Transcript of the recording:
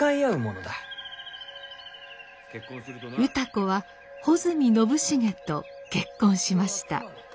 歌子は穂積陳重と結婚しました。